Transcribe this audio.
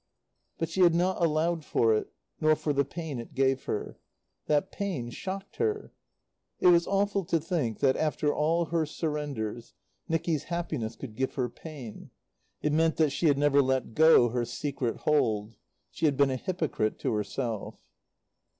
But she had not allowed for it, nor for the pain it gave her. That pain shocked her. It was awful to think that, after all her surrenders, Nicky's happiness could give her pain. It meant that she had never let go her secret hold. She had been a hypocrite to herself.